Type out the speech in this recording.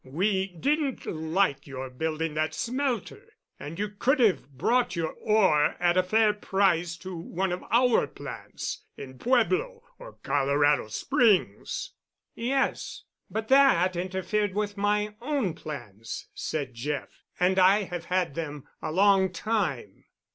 We didn't like your building that smelter, and you could have brought your ore at a fair price to one of our plants in Pueblo or Colorado Springs." "Yes—but that interfered with my own plans," said Jeff. "And I have had them a long time."